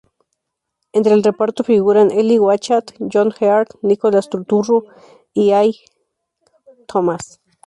Entre el reparto figuran Eli Wallach, John Heard, Nicholas Turturro y Jay Thomas.